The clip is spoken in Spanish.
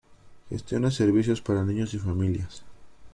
Gestiona servicios para niños y familias.